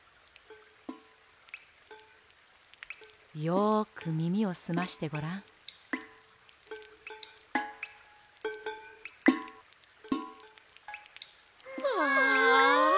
よくみみをすましてごらん。わ！